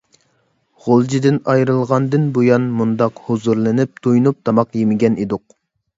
غۇلجىدىن ئايرىلغاندىن بۇيان ، مۇنداق ھۇزۇرلىنىپ، تويۇنۇپ تاماق يېمىگەن ئىدۇق .